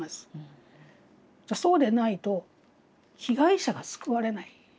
そうでないと被害者が救われない。